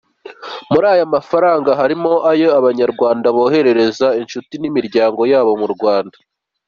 Muri aya mafaranga harimo ayo aba banyarwanda bohereza inshuti n’imiryango yabo mu Rwanda.